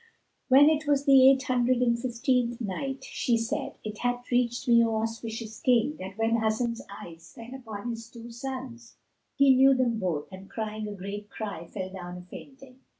When it was the Eight Hundred and Fifteenth Night, She said, It hath reached me, O auspicious King, that when Hasan's eyes fell upon his two sons, he knew them both and crying a great cry fell down a fainting.